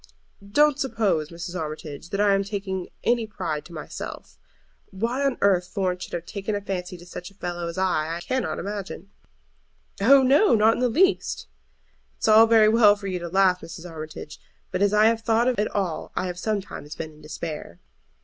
"Don't suppose, Mrs. Armitage, that I am taking any pride to myself. Why on earth Florence should have taken a fancy to such a fellow as I am I cannot imagine." "Oh no; not in the least." "It's all very well for you to laugh, Mrs. Armitage, but as I have thought of it all I have sometimes been in despair."